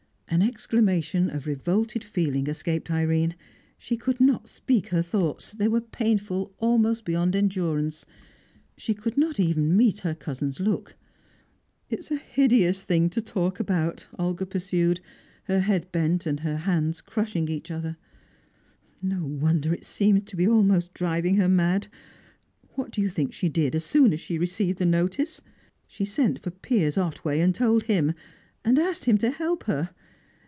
An exclamation of revolted feeling escaped Irene. She could not speak her thoughts; they were painful almost beyond endurance. She could not even meet her cousin's look. "It's a hideous thing to talk about," Olga pursued, her head bent and her hands crushing each other, "no wonder it seems to be almost driving her mad. What do you think she did, as soon as she received the notice? She sent for Piers Otway, and told him, and asked him to help her.